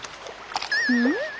うん？